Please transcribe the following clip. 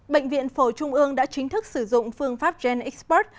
bệnh viện phổ trung ương đã chính thức sử dụng phương pháp genxpert